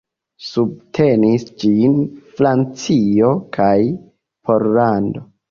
Subtenis ĝin Francio kaj Pollando.